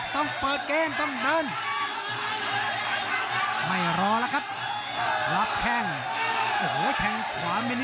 ต้องเปิดเกมต้องเดินไม่รอแล้วครับรับแข้งโอ้โหแทงขวามิน